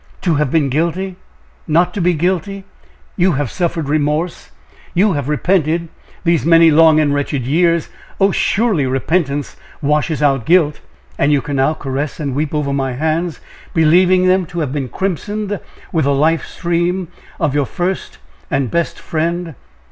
"To have been guilty not to be guilty you have suffered remorse you have repented, these many long and wretched years. Oh! surely repentance washes out guilt!" "And you can now caress and weep over my hands, believing them to have been crimsoned with the life stream of your first and best friend?"